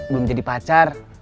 belum jadi pacar